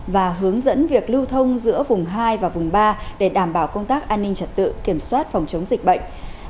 và hướng dẫn việc lưu thông giữa vùng hai và vùng ba để đảm bảo công tác an ninh trật tự kiểm soát phòng chống dịch bệnh